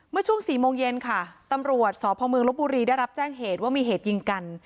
ช่วง๔โมงเย็นค่ะตำรวจสพเมืองลบบุรีได้รับแจ้งเหตุว่ามีเหตุยิงกัน